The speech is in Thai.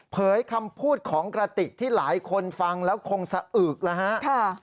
คำพูดของกระติกที่หลายคนฟังแล้วคงสะอึกแล้วฮะ